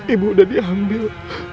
ibu udah diambil